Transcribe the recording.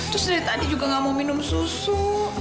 terus dari tadi juga nggak mau minum susu